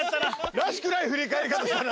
らしくない振り返り方したな。